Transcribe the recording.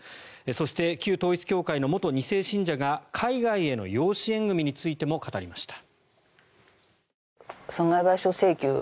そして旧統一教会の元２世信者が海外への養子縁組についても語りました。